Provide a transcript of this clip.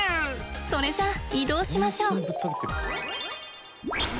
それじゃあ移動しましょう。